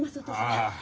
ああ。